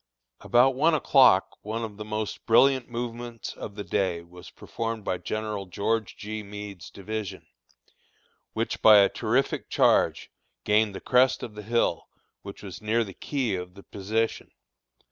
About one o'clock, one of the most brilliant movements of the day was performed by General George G. Meade's division, which by a terrific charge, gained the crest of the hill, which was near the key of the position.